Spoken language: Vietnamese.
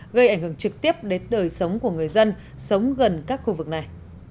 gây ảnh hưởng trực tiếp đến đời sống của người dân sống gần các khu vực này